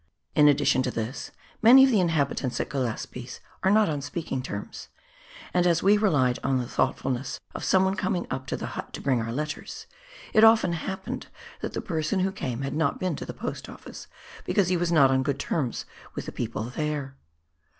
In addition to this, many of the inhabitants at Gillespies are not on speaking terms, and as we relied on the thoughtfulness of some one coming up to the hut to bring our letters, it often happened that the person who came had not been to the post office, because he was not on good terms with the people there.